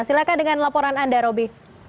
silahkan dengan laporan anda roby